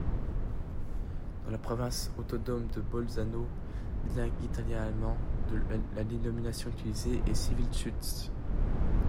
Dans la province autonome de Bolzano, bilingue italien-allemand, la dénomination utilisée est Zivilschutz.